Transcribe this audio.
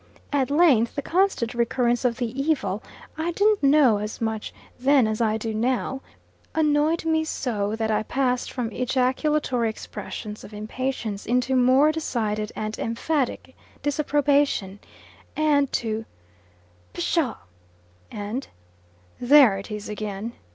At length, the constant recurrence of the evil I didn't know as much then as I do now annoyed me so that I passed from ejaculatory expressions of impatience into more decided and emphatic disapprobation, and to "Psha!" and "there it is again!"